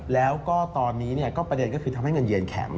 แล้วก็ตอนนี้ก็ประเด็นก็คือทำให้เงินเยือนแข็ง